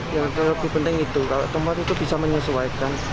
yang lebih penting itu kalau tempat itu bisa menyesuaikan